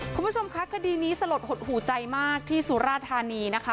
คุณผู้ชมคะคดีนี้สลดหดหูใจมากที่สุราธานีนะคะ